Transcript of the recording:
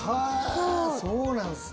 そうなんですね。